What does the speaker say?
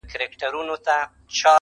ازغن مزاج خزان پرست سره یاري نۀ کوم